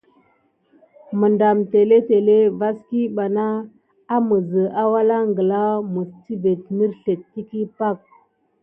Məɗam télétélé vaskiɓana aməzə awalaŋ gla mes tivét mərslét təkəhi pak.